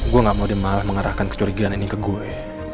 gue gak mau mengarahkan kecurigaan ini ke gue